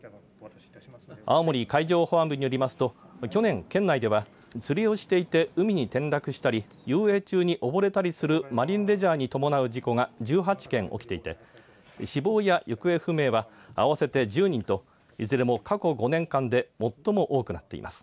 青森海上保安部によりますと去年、県内では釣りをしていて海に転落したり遊泳中に、おぼれたりするマリンレジャーに伴う事故が１８件起きていて死亡や行方不明は合わせて１０人といずれも過去５年間で最も多くなっています。